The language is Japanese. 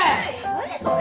何それ。